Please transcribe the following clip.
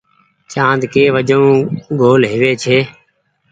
چآند ڪي وجون گول هووي ڇي۔